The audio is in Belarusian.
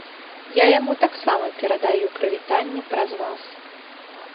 Я яму таксама перадаю прывітанне праз вас.